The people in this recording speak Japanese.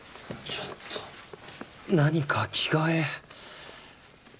ちょっと何か着替え。